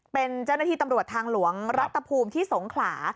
เป็นเจ้าหน้าที่ตำรวจทางหลวงรัฐภูมิที่สงขลา